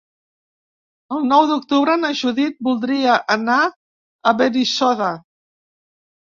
El nou d'octubre na Judit voldria anar a Benissoda.